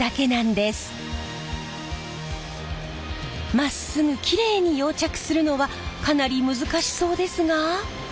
まっすぐきれいに溶着するのはかなり難しそうですが。